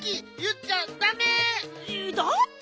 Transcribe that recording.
だって。